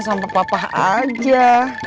sampai papa aja